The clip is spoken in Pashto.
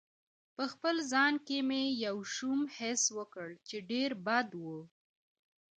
په خپل ځان کې مې یو شوم حس وکړ چې ډېر بد و.